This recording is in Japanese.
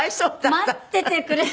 待っててくれて。